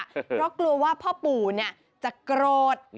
เพราะกลัวว่าพ่อปู่จะโกรธ